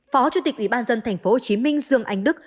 phó chủ tịch ủy ban dân thành phố hồ chí minh dương anh đức